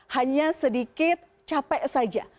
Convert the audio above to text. hanya sedikit capek saja